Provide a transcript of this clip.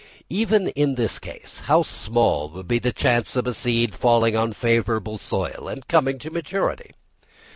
Even in this case, how small would be the chance of a seed falling on favourable soil, and coming to maturity!